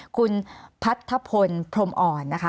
คุณพัทธพลพรมอ่อนนะคะ